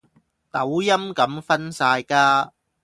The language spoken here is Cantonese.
抖音噉分晒家